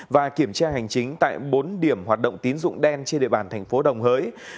và kiểm tra hành chính tại bốn điểm hoạt động tín dụng đen trên địa bàn thành phố đồng hới